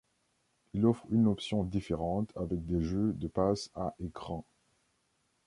Il offre une option différente avec des jeux de passes à écran.